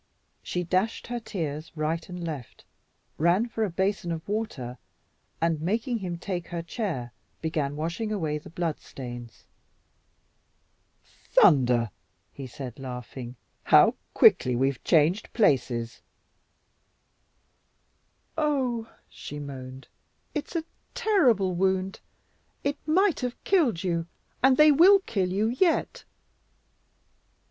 She dashed her tears right and left, ran for a basin of water, and making him take her chair, began washing away the blood stains. "Thunder!" he said, laughing, "How quickly we've changed places!" "Oh, oh!" she moaned, "It's a terrible wound; it might have killed you, and they WILL kill you yet."